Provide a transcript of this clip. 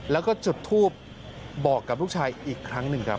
แล้วก็จุดทูปบอกกับลูกชายอีกครั้งหนึ่งครับ